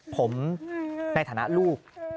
ผมในฐานะลูก